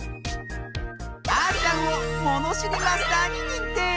あーちゃんをものしりマスターににんてい！